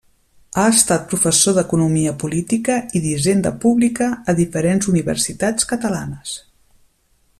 Ha estat professor d'economia política i d'hisenda pública a diferents universitats catalanes.